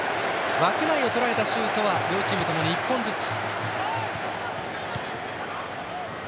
枠内をとらえたシュートは両チーム、１本ずつ。